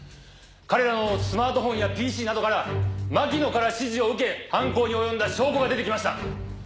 彼らのスマートフォンやＰＣなどから槙野から指示を受け犯行に及んだ証拠が出てきました。